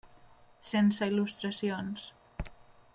Sense il·lustracions.